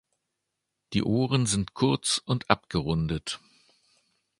Die Ohren sind kurz und abgerundet.